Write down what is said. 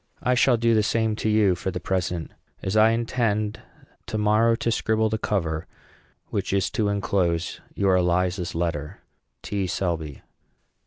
I shall do the same to you for the present, as I intend, to morrow, to scribble the cover, which is to enclose your Eliza's letter. T. SELBY.